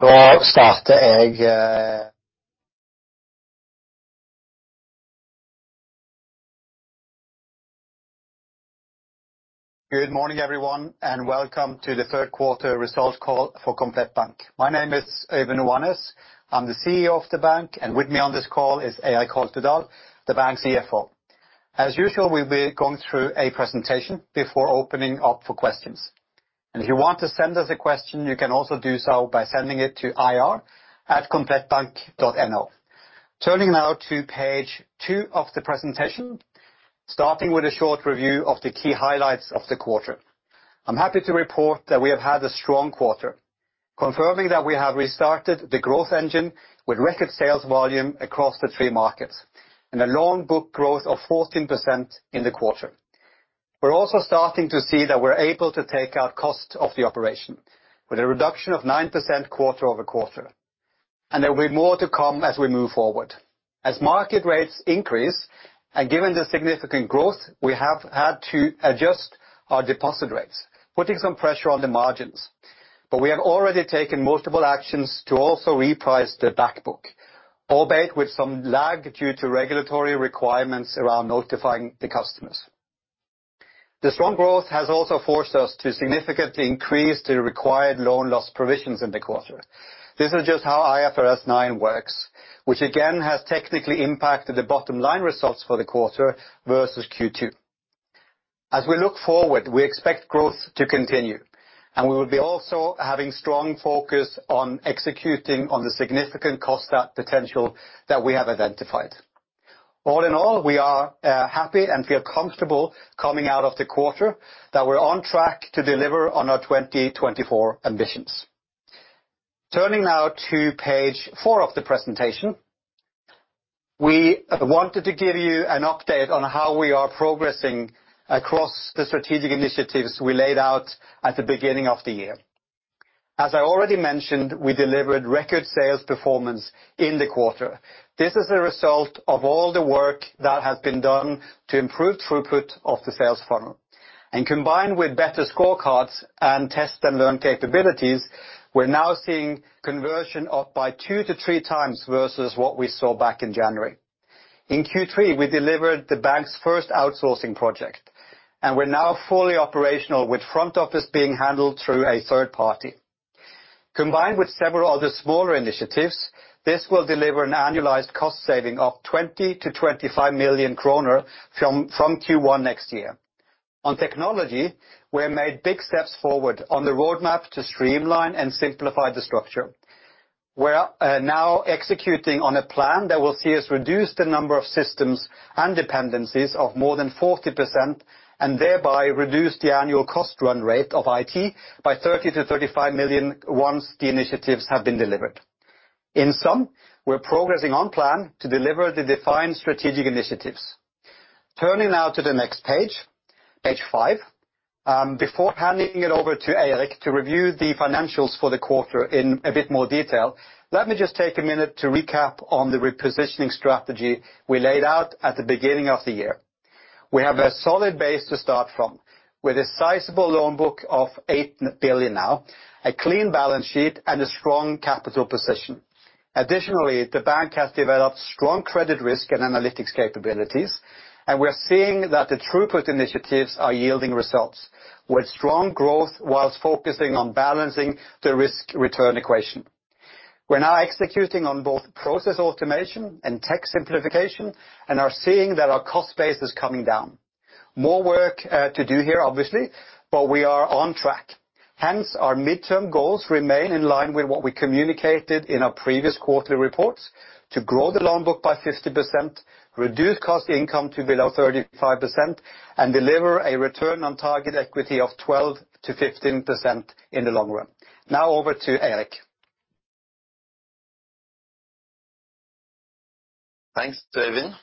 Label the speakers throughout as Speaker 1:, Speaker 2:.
Speaker 1: Good morning, everyone, and welcome to the third quarter results call for Komplett Bank. My name is Oyvind Oanes. I'm the CEO of the bank, and with me on this call is Eirik Holtedahl, the bank's CFO. As usual, we'll be going through a presentation before opening up for questions. If you want to send us a question, you can also do so by sending it to ir@komplettbank.no. Turning now to page two of the presentation, starting with a short review of the key highlights of the quarter. I'm happy to report that we have had a strong quarter, confirming that we have restarted the growth engine with record sales volume across the three markets and a loan book growth of 14% in the quarter. We're also starting to see that we're able to take out cost of the operation with a reduction of 9% quarter-over-quarter. There'll be more to come as we move forward. As market rates increase and given the significant growth, we have had to adjust our deposit rates, putting some pressure on the margins. We have already taken multiple actions to also reprice the back book, albeit with some lag due to regulatory requirements around notifying the customers. The strong growth has also forced us to significantly increase the required loan loss provisions in the quarter. This is just how IFRS 9 works, which again has technically impacted the bottom line results for the quarter versus Q2. As we look forward, we expect growth to continue, and we will be also having strong focus on executing on the significant cost potential that we have identified. All in all, we are happy and feel comfortable coming out of the quarter that we're on track to deliver on our 2024 ambitions. Turning now to page 4 of the presentation, we wanted to give you an update on how we are progressing across the strategic initiatives we laid out at the beginning of the year. As I already mentioned, we delivered record sales performance in the quarter. This is a result of all the work that has been done to improve throughput of the sales funnel. Combined with better scorecards and test and learn capabilities, we're now seeing conversion up by 2-3 times versus what we saw back in January. In Q3, we delivered the bank's first outsourcing project, and we're now fully operational with front office being handled through a third party. Combined with several other smaller initiatives, this will deliver an annualized cost saving of 20-25 million kroner from Q1 next year. On technology, we have made big steps forward on the roadmap to streamline and simplify the structure. We're now executing on a plan that will see us reduce the number of systems and dependencies by more than 40% and thereby reduce the annual cost run rate of IT by 30-35 million once the initiatives have been delivered. In sum, we're progressing on plan to deliver the defined strategic initiatives. Turning now to the next page 5. Before handing it over to Eirik to review the financials for the quarter in a bit more detail, let me just take a minute to recap on the repositioning strategy we laid out at the beginning of the year. We have a solid base to start from with a sizable loan book of 8 billion now, a clean balance sheet and a strong capital position. Additionally, the bank has developed strong credit risk and analytics capabilities, and we are seeing that the throughput initiatives are yielding results with strong growth while focusing on balancing the risk-return equation. We're now executing on both process automation and tech simplification and are seeing that our cost base is coming down. More work to do here, obviously, but we are on track. Hence, our midterm goals remain in line with what we communicated in our previous quarterly reports to grow the loan book by 50%, reduce cost-to-income to below 35%, and deliver a return on target equity of 12%-15% in the long run. Now over to Eirik.
Speaker 2: Thanks, Oyvind.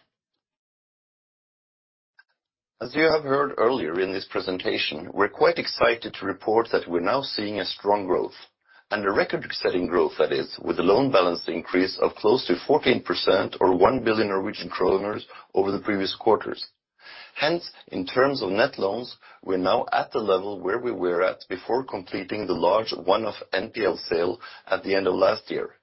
Speaker 2: As you have heard earlier in this presentation, we're quite excited to report that we're now seeing a strong growth, and a record-setting growth that is, with the loan balance increase of close to 14% or 1 billion Norwegian kroner over the previous quarters. Hence, in terms of net loans, we're now at the level where we were at before completing the large one-off NPL sale at the end of last year.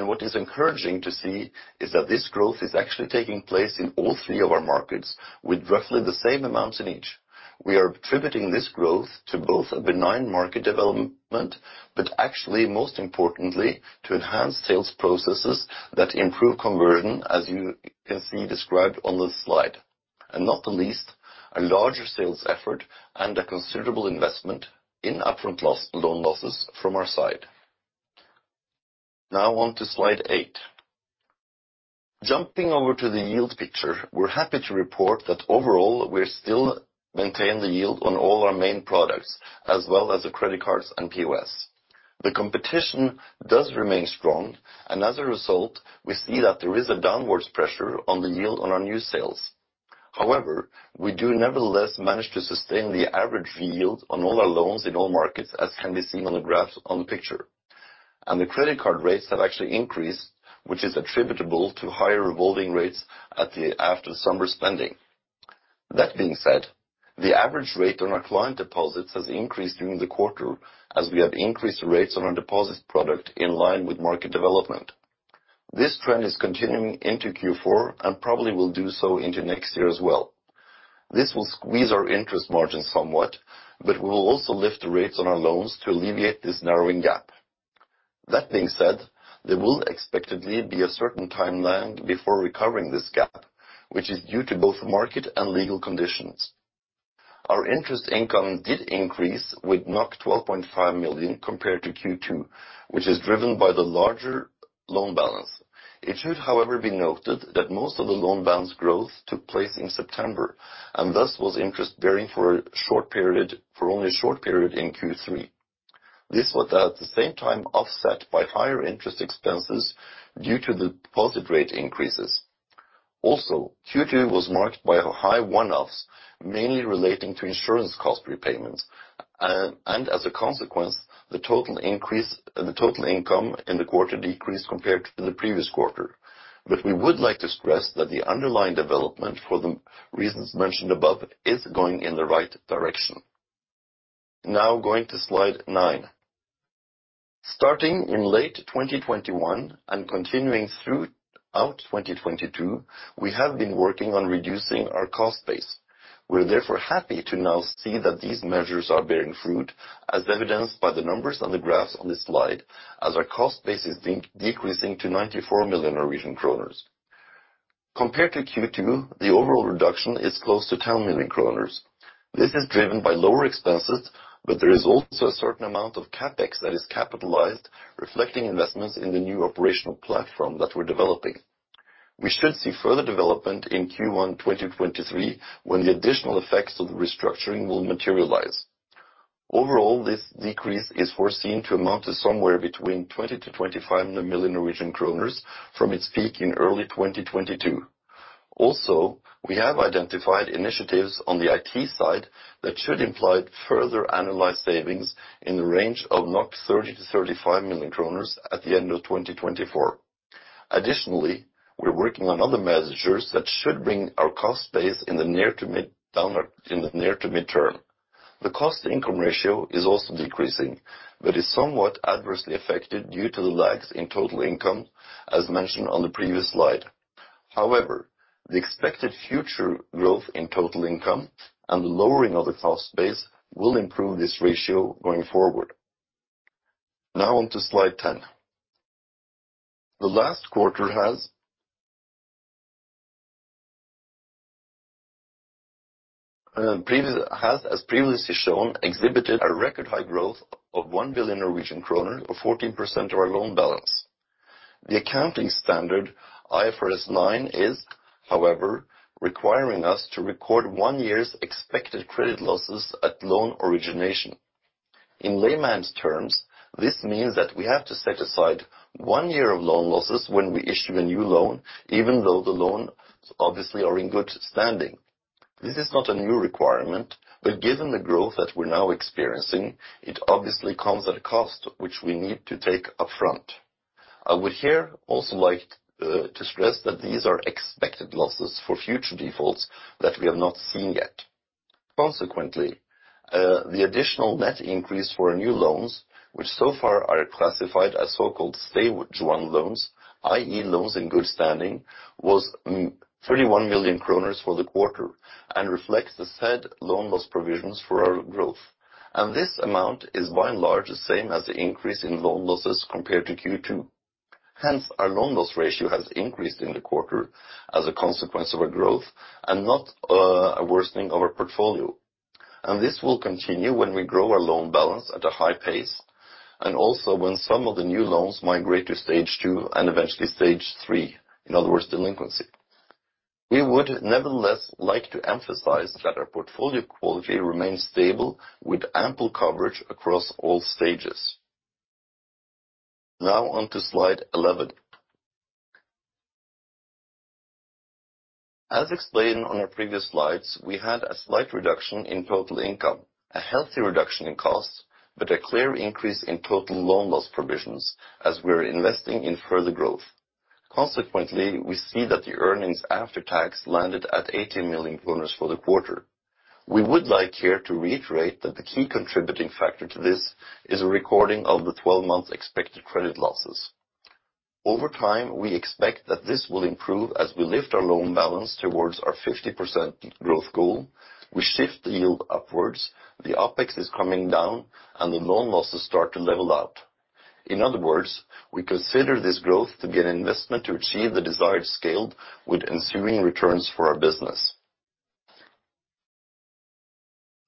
Speaker 2: What is encouraging to see is that this growth is actually taking place in all three of our markets with roughly the same amounts in each. We are attributing this growth to both a benign market development, but actually, most importantly, to enhance sales processes that improve conversion, as you can see described on this slide. Not the least, a larger sales effort and a considerable investment in upfront loan losses from our side. Now on to slide eight. Jumping over to the yield picture, we're happy to report that overall, we still maintain the yield on all our main products, as well as the credit cards and POS. The competition does remain strong, and as a result, we see that there is a downwards pressure on the yield on our new sales. However, we do nevertheless manage to sustain the average yield on all our loans in all markets, as can be seen on the graphs on the picture. The credit card rates have actually increased, which is attributable to higher revolving rates after summer spending. That being said, the average rate on our client deposits has increased during the quarter as we have increased rates on our deposits product in line with market development. This trend is continuing into Q4 and probably will do so into next year as well. This will squeeze our interest margin somewhat, but we will also lift the rates on our loans to alleviate this narrowing gap. That being said, there will expectedly be a certain timeline before recovering this gap, which is due to both market and legal conditions. Our interest income did increase with 12.5 million compared to Q2, which is driven by the larger loan balance. It should, however, be noted that most of the loan balance growth took place in September and thus was interest bearing for only a short period in Q3. This was at the same time offset by higher interest expenses due to the deposit rate increases. Also, Q2 was marked by a high one-offs, mainly relating to insurance cost repayments. As a consequence, the total income in the quarter decreased compared to the previous quarter. We would like to stress that the underlying development for the reasons mentioned above is going in the right direction. Now going to slide 9. Starting in late 2021 and continuing throughout 2022, we have been working on reducing our cost base. We're therefore happy to now see that these measures are bearing fruit, as evidenced by the numbers on the graphs on this slide, as our cost base is decreasing to 94 million Norwegian kroner. Compared to Q2, the overall reduction is close to 10 million kroner. This is driven by lower expenses, but there is also a certain amount of CapEx that is capitalized, reflecting investments in the new operational platform that we're developing. We should see further development in Q1 2023, when the additional effects of the restructuring will materialize. Overall, this decrease is foreseen to amount to somewhere between 20 million-25 million Norwegian kroner from its peak in early 2022. We have identified initiatives on the IT side that should imply further annualized savings in the range of 30 million-35 million kroner at the end of 2024. We're working on other measures that should bring our cost base down in the near to mid-term. The cost-to-income ratio is also decreasing, but is somewhat adversely affected due to the lags in total income, as mentioned on the previous slide. However, the expected future growth in total income and the lowering of the cost base will improve this ratio going forward. Now on to slide 10. The last quarter has, as previously shown, exhibited a record high growth of 1 billion Norwegian kroner or 14% of our loan balance. The accounting standard, IFRS 9, is, however, requiring us to record 1 year's expected credit losses at loan origination. In layman's terms, this means that we have to set aside 1 year of loan losses when we issue a new loan, even though the loans obviously are in good standing. This is not a new requirement, but given the growth that we're now experiencing, it obviously comes at a cost which we need to take upfront. I would here also like to stress that these are expected losses for future defaults that we have not seen yet. Consequently, the additional net increase for new loans, which so far are classified as so-called Stage 1 loans, i.e., loans in good standing, was 31 million kroner for the quarter and reflects the said loan loss provisions for our growth. This amount is by and large the same as the increase in loan losses compared to Q2. Hence, our loan loss ratio has increased in the quarter as a consequence of our growth and not a worsening of our portfolio. This will continue when we grow our loan balance at a high pace, and also when some of the new loans migrate to Stage 2 and eventually Stage 3, in other words, delinquency. We would nevertheless like to emphasize that our portfolio quality remains stable with ample coverage across all stages. Now on to slide 11. As explained on our previous slides, we had a slight reduction in total income, a healthy reduction in costs, but a clear increase in total loan loss provisions as we're investing in further growth. Consequently, we see that the earnings after tax landed at 80 million kroner for the quarter. We would like here to reiterate that the key contributing factor to this is a recording of the 12-month expected credit losses. Over time, we expect that this will improve as we lift our loan balance towards our 50% growth goal. We shift the yield upwards, the OpEx is coming down, and the loan losses start to level out. In other words, we consider this growth to be an investment to achieve the desired scale with ensuing returns for our business.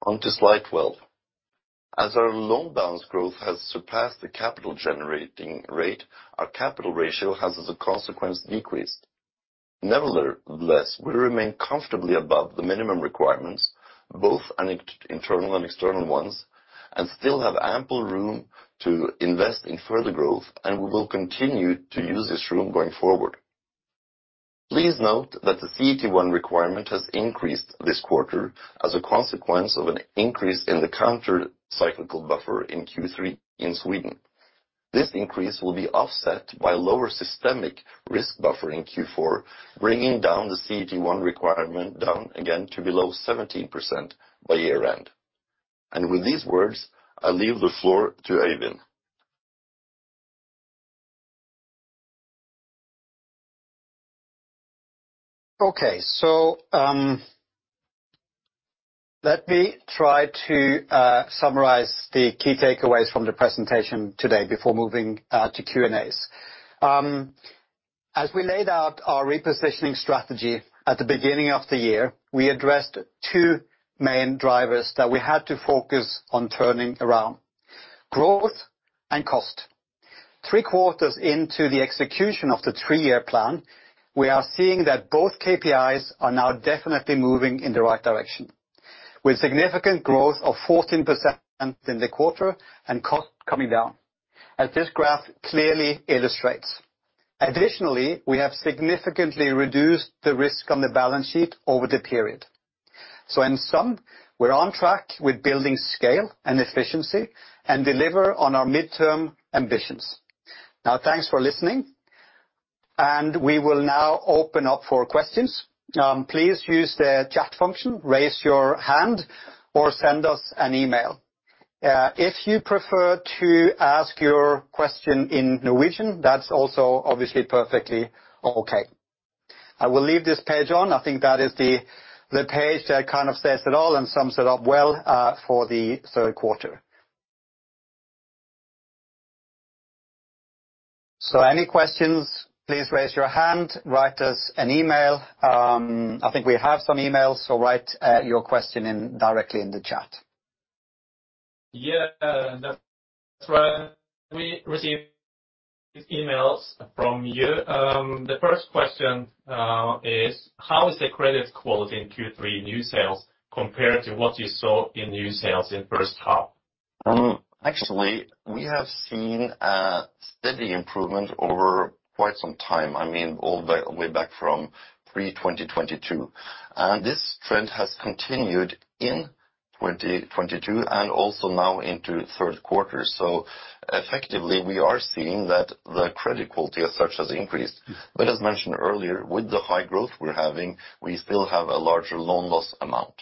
Speaker 2: On to slide 12. As our loan balance growth has surpassed the capital generating rate, our capital ratio has, as a consequence, decreased. Nevertheless, we remain comfortably above the minimum requirements, both internal and external ones, and still have ample room to invest in further growth, and we will continue to use this room going forward. Please note that the CET1 requirement has increased this quarter as a consequence of an increase in the countercyclical buffer in Q3 in Sweden. This increase will be offset by lower systemic risk buffer in Q4, bringing down the CET1 requirement down again to below 17% by year-end. With these words, I leave the floor to Oyvind.
Speaker 1: Okay. Let me try to summarize the key takeaways from the presentation today before moving to Q&As. As we laid out our repositioning strategy at the beginning of the year, we addressed two main drivers that we had to focus on turning around, growth and cost. Three quarters into the execution of the three-year plan, we are seeing that both KPIs are now definitely moving in the right direction, with significant growth of 14% in the quarter and cost coming down, as this graph clearly illustrates. Additionally, we have significantly reduced the risk on the balance sheet over the period. In sum, we're on track with building scale and efficiency and deliver on our midterm ambitions. Now, thanks for listening, and we will now open up for questions. Please use the chat function, raise your hand, or send us an email. If you prefer to ask your question in Norwegian, that's also obviously perfectly okay. I will leave this page on. I think that is the page that kind of says it all and sums it up well for the third quarter. Any questions? Please raise your hand, write us an email. I think we have some emails, so write your question directly in the chat.
Speaker 3: Yeah. That's right. We received these emails from you. The first question is how is the credit quality in Q3 new sales compared to what you saw in new sales in first half?
Speaker 2: Actually, we have seen a steady improvement over quite some time. I mean, all the way back from Q3 2022. This trend has continued in 2022 and also now into third quarter. Effectively, we are seeing that the credit quality as such has increased. As mentioned earlier, with the high growth we're having, we still have a larger loan loss amount.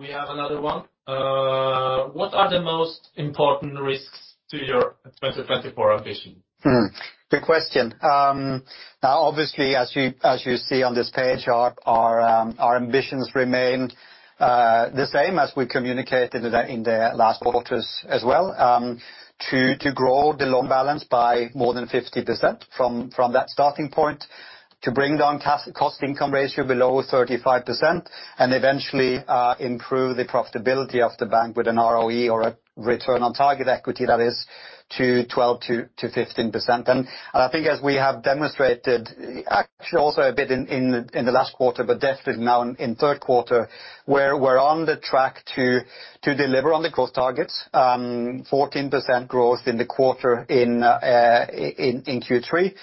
Speaker 3: We have another one. What are the most important risks to your 2024 ambition?
Speaker 1: Good question. Now, obviously, as you see on this page, our ambitions remain the same as we communicated in the last quarters as well, to grow the loan balance by more than 50% from that starting point, to bring down cost-to-income ratio below 35%, and eventually improve the profitability of the bank with an ROE or a return on tangible equity that is 12%-15%. I think as we have demonstrated, actually also a bit in the last quarter, but definitely now in third quarter, where we're on track to deliver on the cost targets, 14% growth in the quarter in Q3.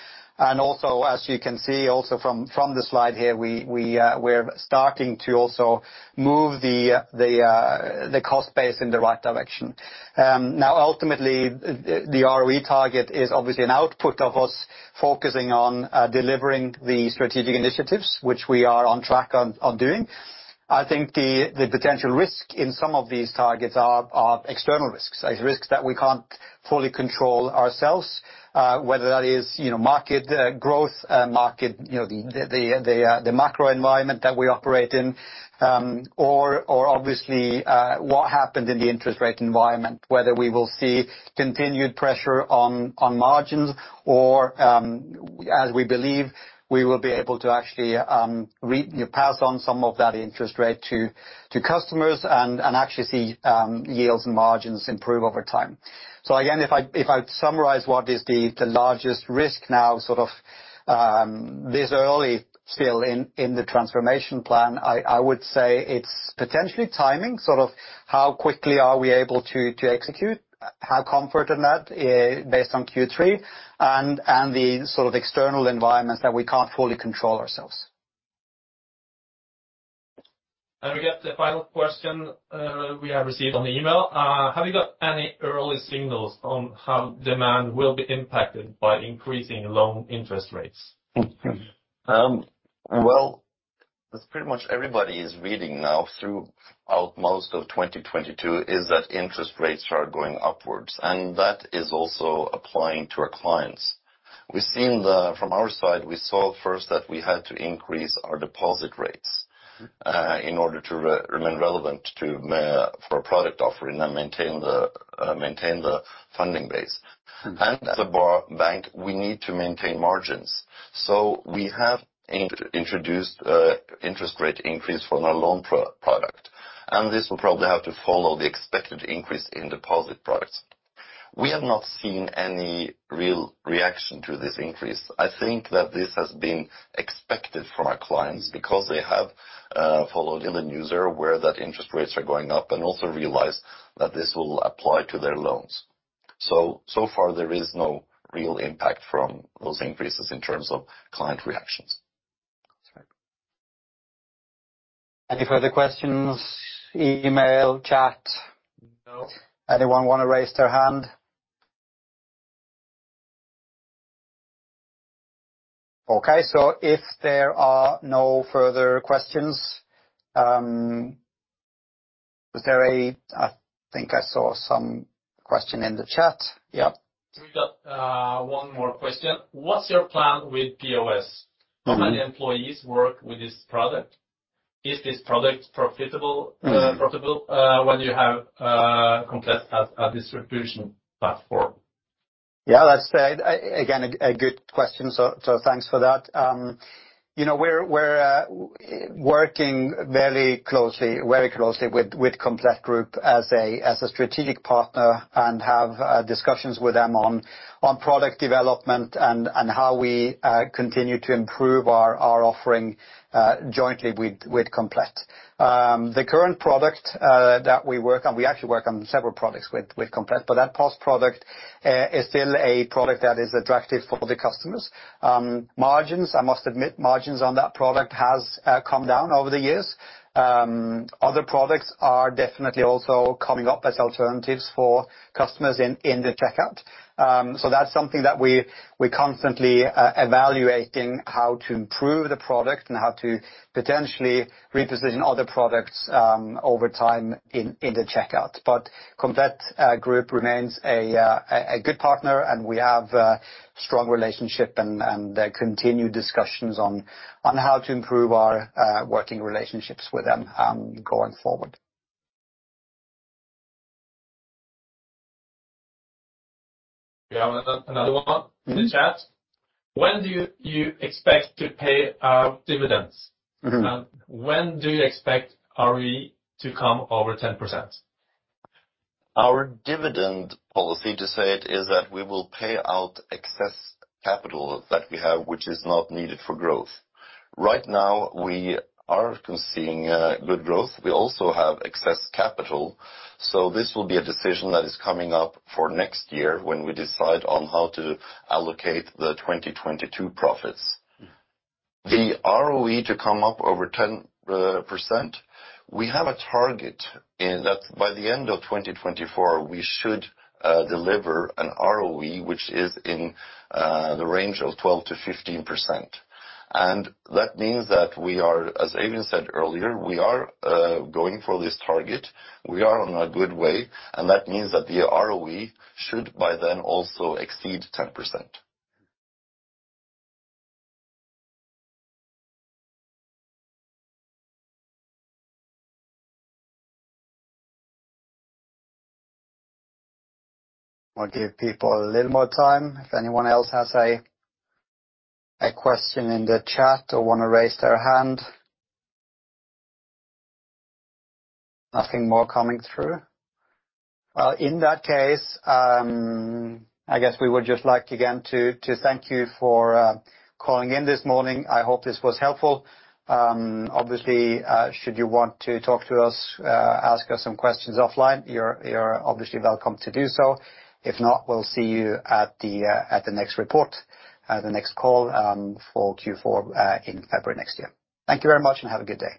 Speaker 1: Also, as you can see also from the slide here, we're starting to also move the cost base in the right direction. Now ultimately, the ROE target is obviously an output of us focusing on delivering the strategic initiatives, which we are on track on doing. I think the potential risk in some of these targets are external risks, as risks that we can't fully control ourselves, whether that is, you know, market growth, market, you know, the macro environment that we operate in, or obviously, what happened in the interest rate environment, whether we will see continued pressure on margins or, as we believe, we will be able to actually pass on some of that interest rate to customers and actually see yields and margins improve over time. Again, if I summarize what is the largest risk now, sort of this early still in the transformation plan, I would say it's potentially timing, sort of how quickly are we able to execute, have comfort in that, based on Q3, and the sort of external environments that we can't fully control ourselves.
Speaker 3: We get the final question, we have received on email. Have you got any early signals on how demand will be impacted by increasing loan interest rates?
Speaker 2: Well, that's pretty much what everybody is reading now throughout most of 2022 is that interest rates are going upward, and that is also applying to our clients. From our side, we saw first that we had to increase our deposit rates in order to remain relevant for a product offering and maintain the funding base. As a bank, we need to maintain margins. We have introduced interest rate increase for our loan product, and this will probably have to follow the expected increase in deposit products. We have not seen any real reaction to this increase. I think that this has been expected from our clients because they have followed the news, they're aware that interest rates are going up and also realize that this will apply to their loans. So far there is no real impact from those increases in terms of client reactions.
Speaker 1: Any further questions, email, chat? Anyone wanna raise their hand? Okay, if there are no further questions, I think I saw some question in the chat. Yep.
Speaker 3: We got one more question. What's your plan with POS?
Speaker 1: Mm-hmm.
Speaker 3: How many employees work with this product? Is this product profitable when you have Komplett, a distribution platform?
Speaker 1: Yeah, that's fair. A good question, so thanks for that. You know, we're working very closely with Komplett Group as a strategic partner and have discussions with them on product development and how we continue to improve our offering jointly with Komplett. The current product that we work on, we actually work on several products with Komplett, but that POS product is still a product that is attractive for the customers. Margins, I must admit, margins on that product has come down over the years. Other products are definitely also coming up as alternatives for customers in the checkout. That's something that we're constantly evaluating how to improve the product and how to potentially reposition other products over time in the checkout. Komplett Group remains a good partner, and we have a strong relationship and continue discussions on how to improve our working relationships with them going forward.
Speaker 3: We have another one in the chat.
Speaker 1: Mm-hmm.
Speaker 3: When do you expect to pay out dividends?
Speaker 1: Mm-hmm.
Speaker 3: When do you expect ROE to come over 10%?
Speaker 2: Our dividend policy to say it is that we will pay out excess capital that we have, which is not needed for growth. Right now, we are seeing good growth. We also have excess capital, so this will be a decision that is coming up for next year when we decide on how to allocate the 2022 profits. The ROE to come up over 10%, we have a target in that by the end of 2024, we should deliver an ROE, which is in the range of 12%-15%. That means that we are, as Oyvind said earlier, going for this target. We are on a good way, and that means that the ROE should by then also exceed 10%.
Speaker 1: I'll give people a little more time, if anyone else has a question in the chat or wanna raise their hand. Nothing more coming through. In that case, I guess we would just like, again, to thank you for calling in this morning. I hope this was helpful. Obviously, should you want to talk to us, ask us some questions offline, you're obviously welcome to do so. If not, we'll see you at the next report, at the next call, for Q4, in February next year. Thank you very much, and have a good day.